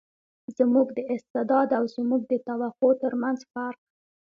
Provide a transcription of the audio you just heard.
زموږ د استعداد او زموږ د توقع تر منځ فرق.